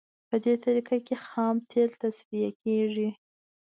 په دې طریقه کې خام تیل تصفیه کیږي